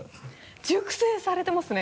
熟成されてますね。